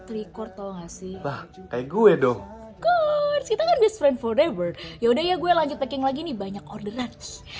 trikort tahu nggak sih kayak gue dong ya udah ya gue lanjut packing lagi nih banyak orderan